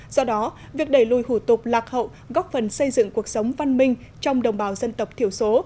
do đó việc đẩy lùi hủ tục lạc hậu góp phần xây dựng cuộc sống văn minh trong đồng bào dân tộc thiểu số